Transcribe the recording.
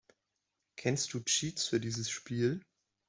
Kennst du Cheats für dieses Spiel?